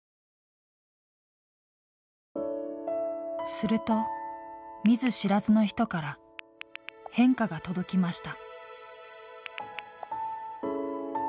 すると見ず知らずの人から返歌が届きました。